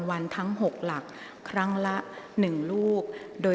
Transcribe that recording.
กรรมการท่านที่ห้าได้แก่กรรมการใหม่เลขเก้า